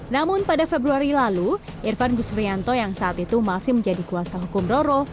namun pada februari lalu irfan gusrianto yang saat itu masih menjadi kuasa hukum roro